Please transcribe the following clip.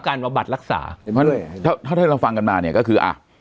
การประบัติรักษาเต็มด้วยถ้าถ้าให้เราฟังกันมาเนี้ยก็คืออ่ะ